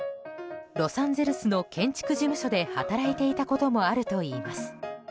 ロサンゼルスの建築事務所で働いていたこともあるといいます。